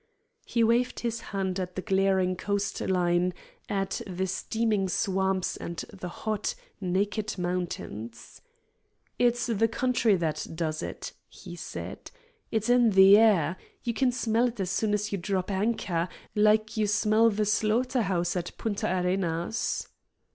He waved his hand at the glaring coast line, at the steaming swamps and the hot, naked mountains. "It's the country that does it," he said. "It's in the air. You can smell it as soon as you drop anchor, like you smell the slaughter house at Punta Arenas."